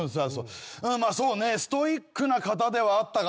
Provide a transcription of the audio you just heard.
まあそうねストイックな方ではあったかな。